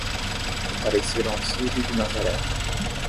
Compareceram ao Círio de Nazaré